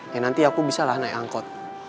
ya nanti aku bisa lah naik angkot